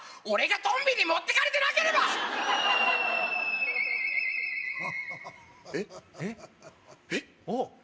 俺がトンビに持ってかれてなければえっえっ？